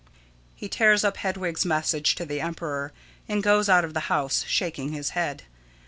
[_He tears up Hedwig's message to the emperor, and goes out of the house, shaking his head.